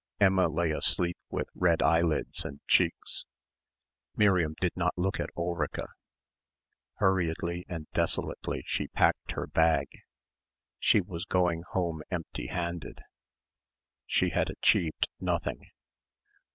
Emma lay asleep with red eyelids and cheeks. Miriam did not look at Ulrica. Hurriedly and desolately she packed her bag. She was going home empty handed. She had achieved nothing.